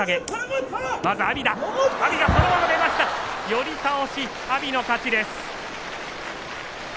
寄り倒し阿炎の勝ちです。